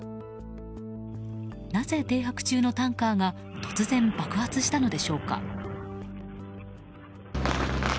なぜ、停泊中のタンカーが突然、爆発したのでしょうか。